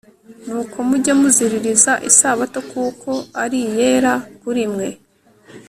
Nuko mujye muziririza isabato kuko ari iyera kuri mwe